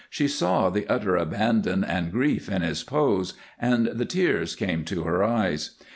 She saw the utter abandon and grief in his pose, and the tears came to her eyes.